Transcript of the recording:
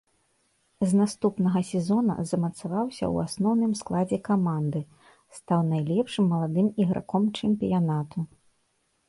З наступнага сезона замацаваўся ў асноўным складзе каманды, стаў найлепшым маладым іграком чэмпіянату.